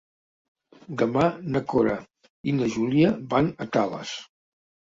Demà na Cora i na Júlia van a Tales.